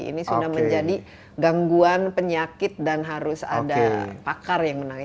ini sudah menjadi gangguan penyakit dan harus ada pakar yang menangani